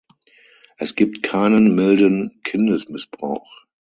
Es gibt keinen milden Kindesmissbrauch.